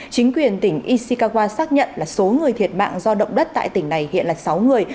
chính quyền tỉnh ishikawa xác nhận là số người thiệt mạng do động đất tại tỉnh này hiện là sáu người